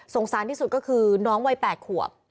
สารที่สุดก็คือน้องวัย๘ขวบ